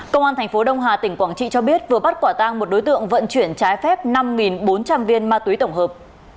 công an thành phố đông hà tỉnh quảng trị cho biết vừa bắt quả tang một đối tượng vận chuyển trái phép năm bốn trăm linh viên ma túy tổng hợp